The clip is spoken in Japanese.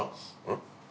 ん？